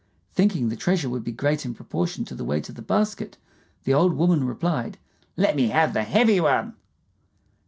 Thinking the treasure would be great in proportion to the weight of the basket, the old woman replied, "Let me have the heavy one."